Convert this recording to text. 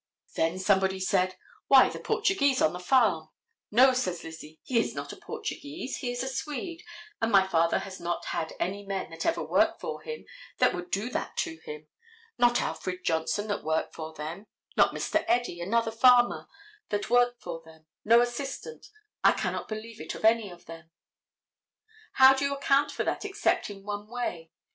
Then somebody said: Why, the Portuguese on the farm. No, says Lizzie, he is not a Portuguese; he is a Swede, and my father has not any men that ever worked for him that would do that to him. Not Alfred Johnson that worked for them, not Mr. Eddy, another farmer that worked for them, no assistant—I cannot believe it of any of them. How do you account for that except in one way?